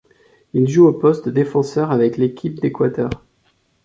Il joue au poste de défenseur avec l'équipe d'Équateur.